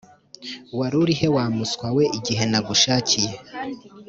warurihe wamuswawe igihe nagushakiye